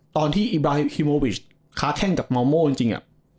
ตอนที่อิบราฮิมโอวิชคาแท่งกับเมาเมาอร์จริง